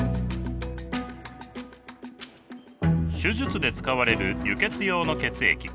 手術で使われる輸血用の血液。